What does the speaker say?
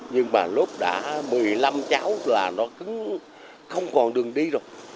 nhưng mà lúc đã một mươi năm cháu là nó cứ không còn đường đi rồi